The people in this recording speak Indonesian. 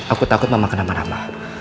aku takut mama kena marah ma